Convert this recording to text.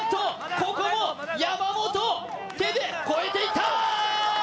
ここも山本、手で越えていった！